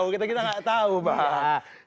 gak tau kita gak tau bang